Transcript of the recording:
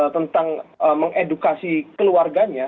tentang mengedukasi keluarganya